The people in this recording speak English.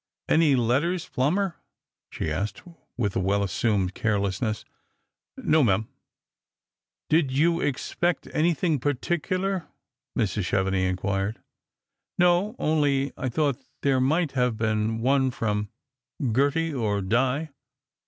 " Any letters, Plomber? " she asked, with well assumed care lessness. "No, ma'am." " Did you expect anythingparticnlar?" Mrs. Chevenix inquired. " No ; only I thought there might have been one from — from Gerty or Di."